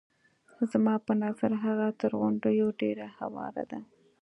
زما په نظر هغه تر غونډیو ډېره هواره ده.